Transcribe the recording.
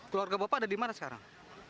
keluarga bapak ada di mana sekarang